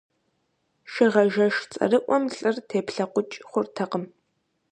Шыгъажэш цӀэрыӀуэм лӀыр теплъэкъукӀ хъуртэкъым.